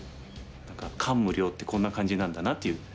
感無量ってこんな感じなんだなっていう。